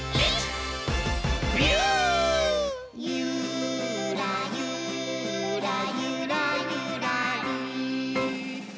「ゆーらゆーらゆらゆらりー」